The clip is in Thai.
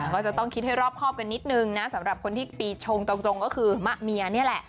ก็จะต้องคิดให้รอบครอบกันนิดนึงนะสำหรับคนที่ปีชงตรงก็คือมะเมียนี่แหละ